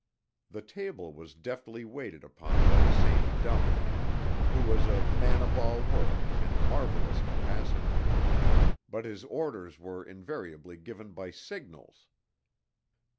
The table was deftly waited upon by the same dumb man, who was a man of all work and marvelous capacity, but his orders were invariably given by signals.